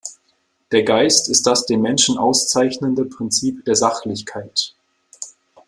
Der Geist ist das den Menschen auszeichnende Prinzip der "Sachlichkeit".